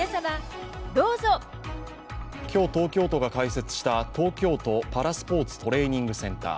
今日、東京都が開設した東京都パラスポーツトレーニングセンター。